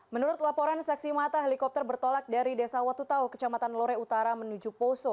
menurut laporan saksi mata helikopter bertolak dari desa watutau kecamatan lore utara menuju poso